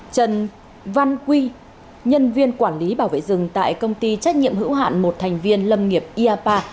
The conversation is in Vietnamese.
trần văn quy nhân viên quản lý bảo vệ rừng tại công ty trách nhiệm hữu hạn một thành viên lâm nghiệp iapa